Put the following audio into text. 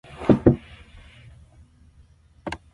It serves the Havasupai Indian Reservation.